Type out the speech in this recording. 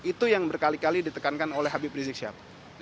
itu yang berkali kali ditekankan oleh habib rizik syihab